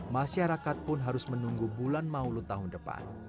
masyarakat pun harus menunggu bulan maulu tahun depan